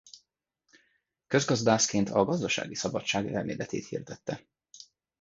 Közgazdászként a gazdasági szabadság elméletét hirdette.